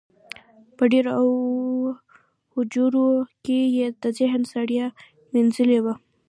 په دېرو او هوجرو کې یې د ذهن ستړیا مینځلې وه.